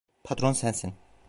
Patron sensin.